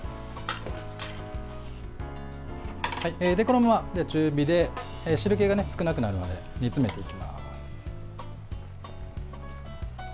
このまま中火で汁けが少なくなるまで煮詰めていきます。